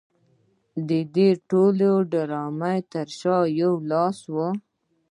د دې ټولې ډرامې تر شا یو لاس و